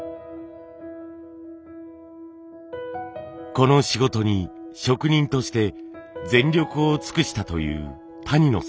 この仕事に職人として全力を尽くしたという谷野さん。